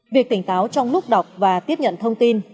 việc tỉnh táo trong lúc đọc và tiếp nhận thông tin